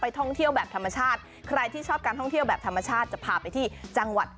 ท่องเที่ยวแบบธรรมชาติใครที่ชอบการท่องเที่ยวแบบธรรมชาติจะพาไปที่จังหวัด